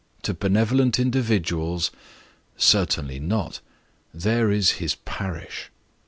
To benevolent individuals? Certainly not there is his parish.